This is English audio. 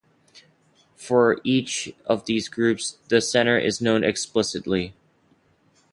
For each of these groups, the center is known explicitly.